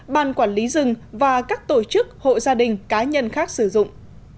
ban quản lý rừng và các tổ chức hộ gia đình cá nhân khác sử dụng